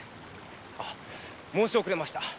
あ申し遅れました。